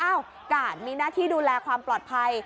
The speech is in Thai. กาดมีหน้าที่ดูแลความปลอดภัย